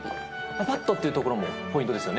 ぱぱっとというところもポイントですよね？